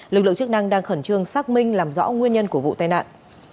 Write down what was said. lực lượng chức năng đang khẩn trương xác minh làm rõ nguyên nhân của vụ tai nạn